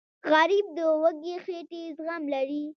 غریب د وږې خېټې زغم لري